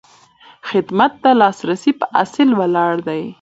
خدمت د لاسرسي په اصل ولاړ وي.